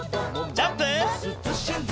ジャンプ！